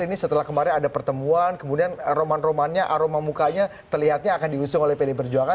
ini setelah kemarin ada pertemuan kemudian roman romannya aroma mukanya terlihatnya akan diusung oleh pd perjuangan